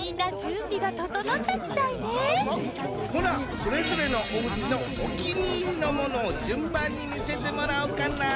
ほなそれぞれのおうちのおきにいりのものをじゅんばんにみせてもらおかな。